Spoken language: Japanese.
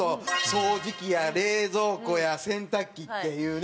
掃除機や冷蔵庫や洗濯機っていうね。